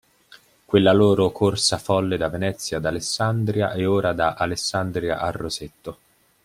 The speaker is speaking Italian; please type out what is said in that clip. Quella loro corsa folle da Venezia ad Alessandria e ora da Alessandria a Rosetto.